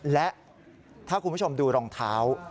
และถ้าคุณผู้ชมดูรองเท้า